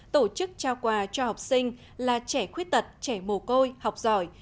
tổ chức trao quà cho học sinh là trẻ khuyết tật trẻ mồ côi học giỏi